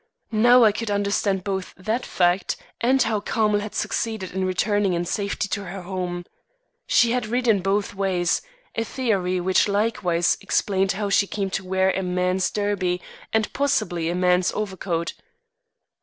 Now I could understand both that fact and how Carmel had succeeded in returning in safety to her home. She had ridden both ways a theory which likewise explained how she came to wear a man's derby and possibly a man's overcoat.